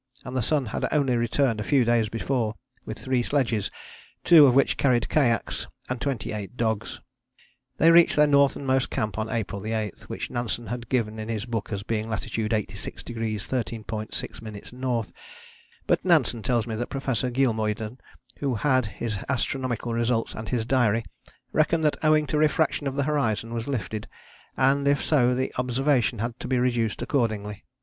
and the sun had only returned a few days before, with three sledges (two of which carried kayaks) and 28 dogs. They reached their northern most camp on April 8, which Nansen has given in his book as being in latitude 86° 13.6´ N. But Nansen tells me that Professor Geelmuyden, who had his astronomical results and his diary, reckoned that owing to refraction the horizon was lifted, and if so the observation had to be reduced accordingly.